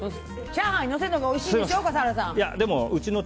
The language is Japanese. チャーハンにのせるのがおいしいんでしょ、笠原さん。